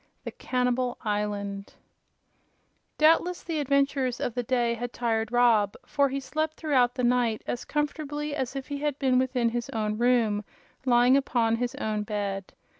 5. The Cannibal Island Doubtless the adventures of the day had tired Rob, for he slept throughout the night as comfortably as if he had been within his own room, lying upon his own bed.